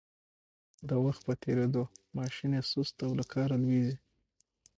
د وخت په تېرېدو ماشین یې سست او له کاره لویږي.